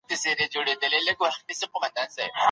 تاریخي شخصیتونه په ټولنه کې ډېر مینه وال لري.